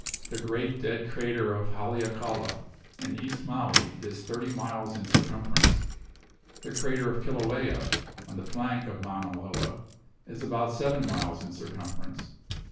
The great dead crater of Haleakala, in East Maui, is thirty miles in circumference. The crater of Kilauea, on the flank of Mauna Loa, is about seven miles in circumference.